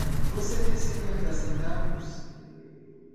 Você tem cinquenta centavos?